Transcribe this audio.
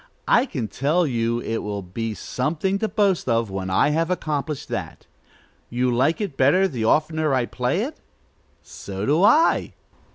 I can tell you it will be something to boast of, when I have accomplished that. You like it better the oftener I play it? So do I."